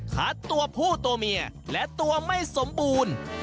ตัวผู้ตัวเมียและตัวไม่สมบูรณ์